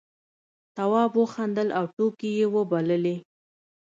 تواب وخندل او ټوکې یې وبللې.